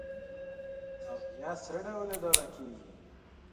ناحیه څه ډول اداره کیږي؟